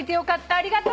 ありがとう。